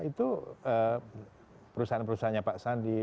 itu perusahaan perusahaannya pak sandi